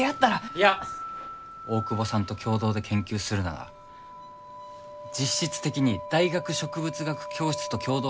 いや大窪さんと共同で研究するなら実質的に大学植物学教室と共同で研究するということだろう？